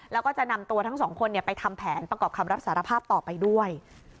แล้วก็จะนำตัวทั้งสองคนไปทำแผนประกอบคำรับสารภาพต่อไปด้วย